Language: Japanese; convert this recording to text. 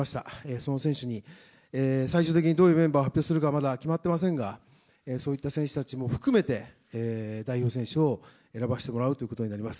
その選手に、最終的にどういうメンバーを発表するかまだ決まっていませんが、そういった選手たちも含めて、代表選手を選ばせてもらうということになります。